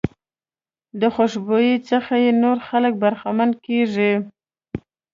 د خوشبويۍ څخه یې نور خلک برخمن کېږي.